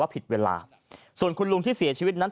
ผิดเวลาส่วนคุณลุงที่เสียชีวิตนั้น